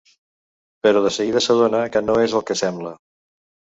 Però de seguida s'adona que no és el que sembla.